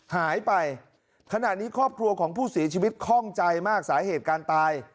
หายไปขณะนี้ครอบครัวของผู้เสียชีวิตคล่องใจมากสาเหตุการตาย